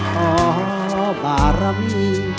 พอบาระบี